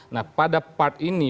nah pada part ini